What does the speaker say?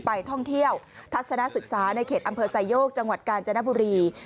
ไปท่องเที่ยวทัศนศึกษาในเขตอำเภอไซโยกจังหวัดกาญจนบุรี